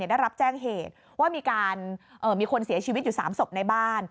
ได้รับแจ้งเหตุว่ามีการมีคนเสียชีวิตอยู่๓ศพในบ้าน